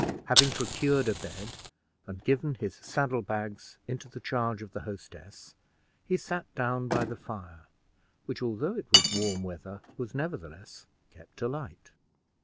Having procured a bed, and given his saddle bags into the charge of the hostess, he sat down by the fire, which, although it was warm weather, was nevertheless kept alight.